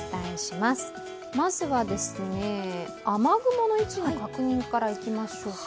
まずは雨雲の位置の確認からいきましょうか。